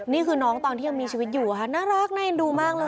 นี่คือน้องตอนที่ยังมีชีวิตอยู่ค่ะน่ารักน่าเอ็นดูมากเลย